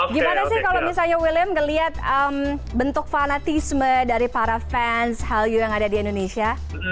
gimana sih kalau misalnya william ngelihat bentuk fanatisme dari para fans hallyu yang ada di indonesia